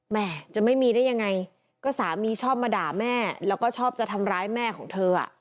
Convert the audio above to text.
แม่จะไม่มีได้ยังไงก็สามีชอบมาด่าแม่แล้วก็ชอบจะทำร้ายแม่ของเธอ